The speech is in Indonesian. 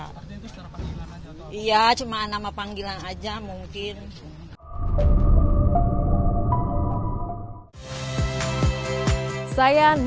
artinya itu secara panggilan aja bukan